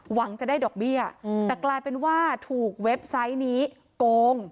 หวังจะได้ดอกเบี้ยแต่กลายเป็นว่าถูกเว็บไซต์นี้โกง